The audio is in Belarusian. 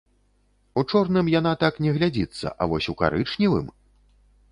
У чорным яна так не глядзіцца, а вось у карычневым!